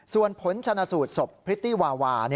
ส่วนผลชนะสูตรศพพริตตี้วาวา